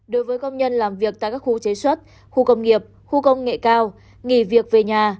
đối với công nhân làm việc tại các khu chế xuất khu công nghiệp khu công nghệ cao nghỉ việc về nhà